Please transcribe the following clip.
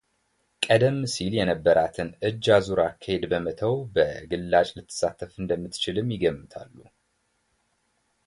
ቀደም ሲል የነበራትን እጅ አዙር አካሄድ በመተው በግላጭ ልትሳተፍ እንደምትችልም ይገምታሉ።